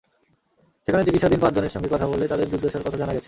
সেখানে চিকিৎসাধীন পাঁচজনের সঙ্গে কথা বলে তাঁদের দুর্দশার কথা জানা গেছে।